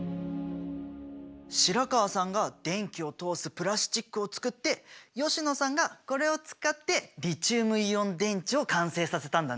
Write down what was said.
白川さんが電気を通すプラスチックを作って吉野さんがこれを使ってリチウムイオン電池を完成させたんだね。